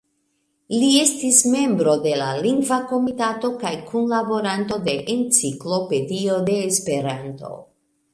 Li estis membro de la Lingva Komitato kaj kunlaboranto de "Enciklopedio de Esperanto".